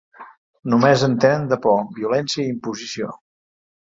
Només entenen de por, violència i imposició.